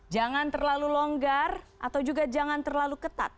jangan terlalu longgar atau juga jangan terlalu ketat